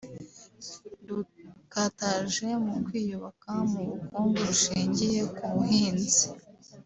rukataje mu kwiyubaka mu bukungu rushingiye ku buhinzi